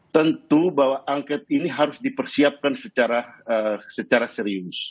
tentu bahwa angket ini harus dipersiapkan secara serius